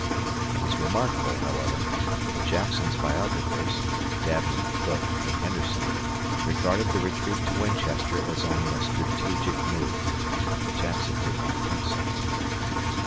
It is remarkable, however, that Jackson's biographers, Dabney, Cook, and Henderson, regarded the retreat to Winchester as only a strategic move. Jackson did not think so.